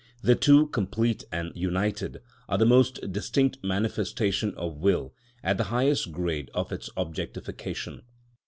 The two, complete and united, are the most distinct manifestation of will at the highest grade of its objectification.